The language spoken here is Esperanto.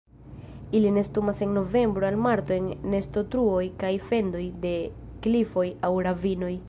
Ili nestumas de novembro al marto en nestotruoj kaj fendoj de klifoj aŭ ravinoj.